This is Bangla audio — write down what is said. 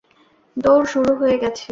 দৌড় শুরু হয়ে গেছে!